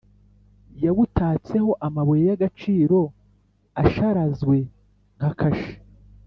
yawutatseho amabuye y’agaciro asharazwe nka kashe,